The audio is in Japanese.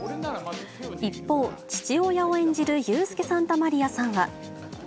一方、父親を演じるユースケ・サンタマリアさんは。